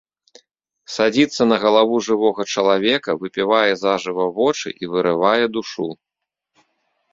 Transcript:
Садзіцца на галаву жывога чалавека, выпівае зажыва вочы і вырывае душу.